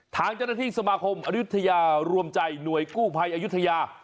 ทางเจ้าหน้าที่สมาคมอายุทยารวมใจหน่วยกู้ภัยอายุทยา